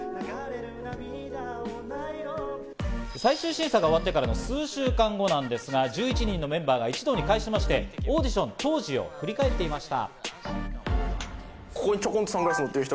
最終審査が終わってからの数週間後なんですが、メンバーが一堂に会しましてオーディション当時を振り返っていました。